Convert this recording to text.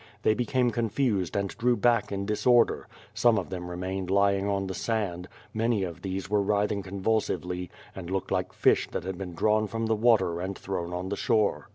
They became confused ' and drew back in disorder; some of them remained lying on the sand, many of these were writhing convulsively, and looked like fish that had been drawn from the water and thrown on the shore.